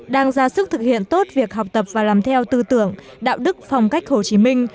đang ra sức thực hiện tốt việc học tập và làm theo tư tưởng đạo đức phong cách hồ chí minh